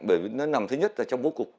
bởi vì nó nằm thứ nhất là trong vô cục